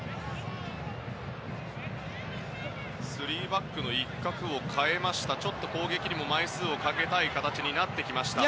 ３バックの一角を代えましてちょっと攻撃にも枚数をかけたい形になってきました。